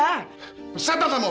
tapi pak tristan tuh sayang sama dia